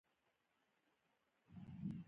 جګړه د طبیعت خلاف ده